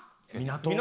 港。